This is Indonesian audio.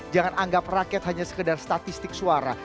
jangan anggap rakyat hanya sekedar statistik suara